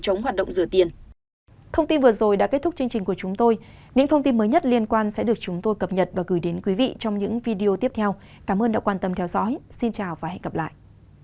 thông tin vừa rồi đã kết thúc chương trình của chúng tôi những thông tin mới nhất liên quan sẽ được chúng tôi cập nhật và gửi đến quý vị trong những video tiếp theo cảm ơn đã quan tâm theo dõi xin chào và hẹn gặp lại